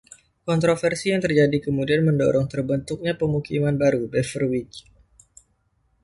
Kontroversi yang terjadi kemudian mendorong terbentuknya pemukiman baru, Beverwijck.